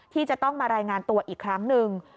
ที่จะต้องมารายงานตัวอีกครั้งหนึ่ง